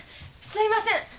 すいません！